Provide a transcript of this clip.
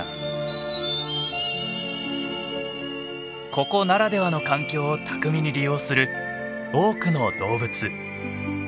ここならではの環境を巧みに利用する多くの動物。